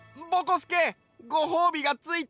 すけごほうびがついてるよ！